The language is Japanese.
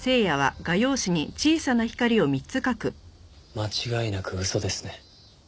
間違いなく嘘ですね。